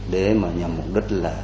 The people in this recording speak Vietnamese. để mà nhằm mục đích là